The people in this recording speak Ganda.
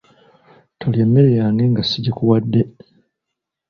Tolya emmere yange nga sigikuwadde.